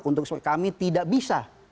untuk kami tidak bisa